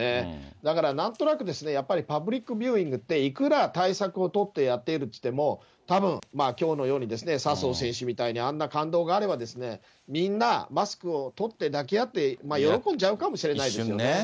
だからなんとなく、やっぱりパブリックビューイングって、いくら対策を取ってやっているといってもたぶんきょうのように、笹生選手みたいにあんな感動があれば、みんな、マスクを取って抱き合って、喜んじゃうかもしれないですよね。